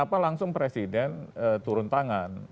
karena itu langsung presiden turun tangan